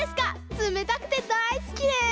つめたくてだいすきです！